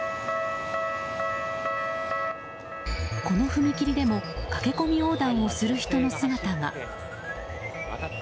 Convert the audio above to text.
この踏切でも駆け込み横断をする人の姿が。